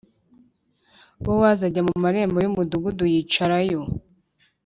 Bowazi ajya mu marembo y umudugudu yicarayo